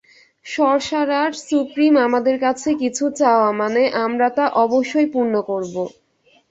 সর্সারার supreme আমাদের কাছে কিছু চাওয়া মানে আমরা তা অবশ্যই পূর্ণ করব।